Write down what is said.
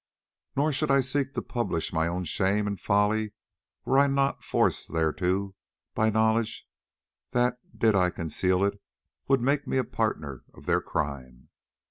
Nor should I seek to publish my own shame and folly were I not forced thereto by knowledge that, did I conceal it, would make me a partner of their crime.